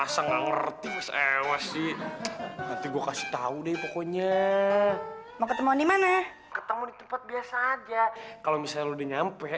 sampai jumpa di video selanjutnya